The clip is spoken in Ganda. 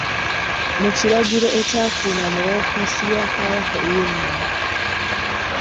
Mu kiragiro ekyafuluma mu woofiisi ya Kabaka eky'ennono.